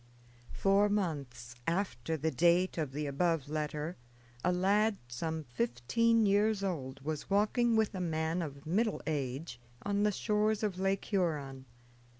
Four months after the date of the above letter a lad some fifteen years old was walking with a man of middle age on the shores of Lake Huron.